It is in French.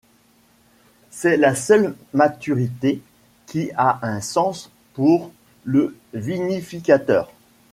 C'est la seule maturité qui a un sens pour le vinificateur.